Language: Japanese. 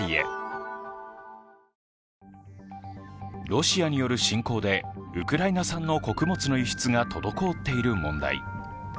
ロシアによる侵攻でウクライナ産の穀物の輸出が滞っている問題。